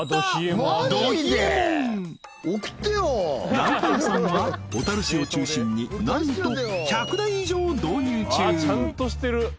なると屋さんは小樽市を中心になんと１００台以上導入中！